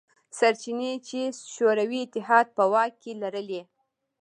سرچینې چې شوروي اتحاد په واک کې لرلې.